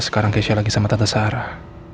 sekarang keisha lagi sama tante sarah